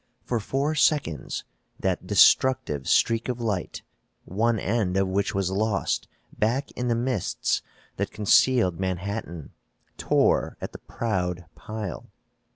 For four seconds that destructive streak of light, one end of which was lost back in the mists that concealed Manhattan, tore at the proud pile.